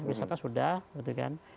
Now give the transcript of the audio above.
bisata sudah gitu kan